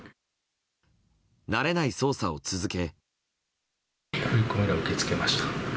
慣れない操作を続け。